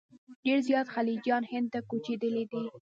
ډېر زیات خلجیان هند ته کوچېدلي دي.